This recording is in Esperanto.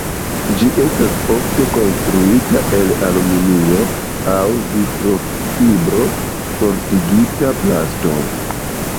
Ĝi estas ofte konstruita el aluminio aŭ vitrofibro-fortigita plasto.